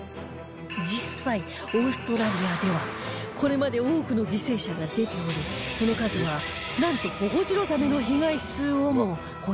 実際オーストラリアではこれまで多くの犠牲者が出ておりその数はなんとホホジロザメの被害数をも超えているといいます